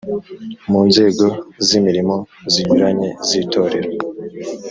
mu nzego z imirimo zinyuranye z itorero